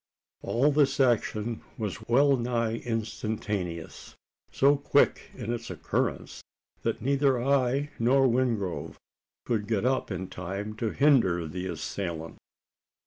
All this action was well nigh instantaneous so quick in its occurrence, that neither I nor Wingrove could get up in time to hinder the assailant.